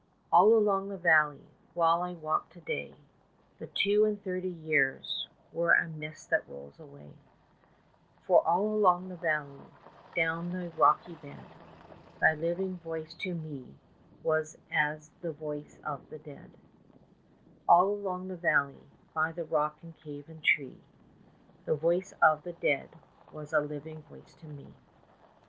All along the valley while I walked to day, 5 The two and thirty years were a mist that rolls away; For all along the valley, down thy rocky bed, Thy living voice to me was as the voice of the dead, And all along the valley, by rock and cave and tree, The voice of the dead was a living voice to me.